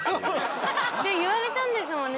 で言われたんですもんね